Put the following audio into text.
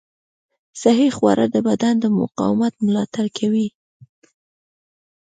صحي خواړه د بدن د مقاومت ملاتړ کوي.